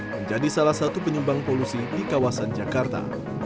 menjadi salah satu penyumbang polusi di kawasan jakarta